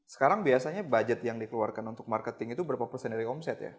sekarang biasanya budget yang dikeluarkan untuk marketing itu berapa persen dari omset ya